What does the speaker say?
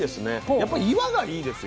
やっぱ岩がいいですよ。